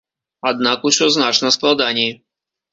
Аднак усё значна складаней.